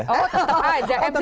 oh tetap aja